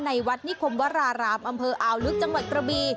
ในวัดนิคมวรารามอำเภออาวลึกจังหวัดกระบี